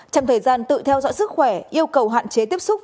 trong thời gian tự theo dõi sức khỏe yêu cầu hạn chế tiếp xúc